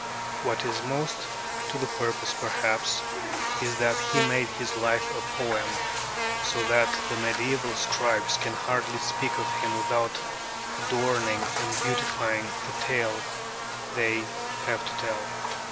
What is most to the purpose, perhaps, is that he made his life a poem; so that the mediæval scribes can hardly speak of him without adorning and beautifying the tale they have to tell.